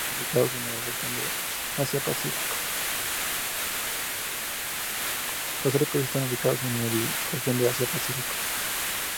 Los tres países están ubicados en la región de Asia-Pacífico.